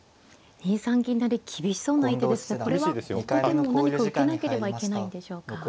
２三銀成厳しそうな一手ですがこれは後手も何か受けなければいけないんでしょうか。